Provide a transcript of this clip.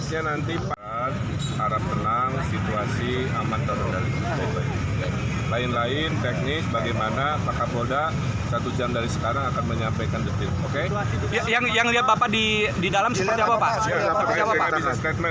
yang lihat bapak di dalam seperti apa pak